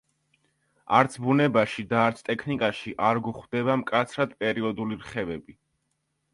არც ბუნებაში და არც ტექნიკაში არ გვხვდება მკაცრად პერიოდული რხევები.